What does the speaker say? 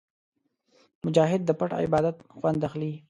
مجاهد د پټ عبادت خوند اخلي.